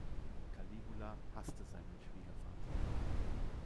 Caligula hasste seinen Schwiegervater.